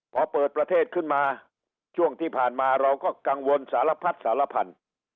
พอเปิดประเทศขึ้นมาช่วงที่ผ่านมาเราก็กังวลสารพัดสารพันธุ์